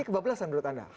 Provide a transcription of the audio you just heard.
ini kebetulan menurut anda